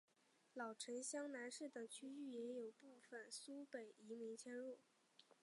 老城厢南市等区域也有部分苏北移民迁入。